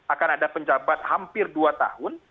akan ada penjabat hampir dua tahun